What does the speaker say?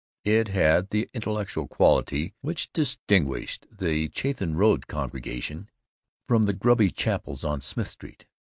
It had the intellectual quality which distinguished the Chatham Road congregation from the grubby chapels on Smith Street.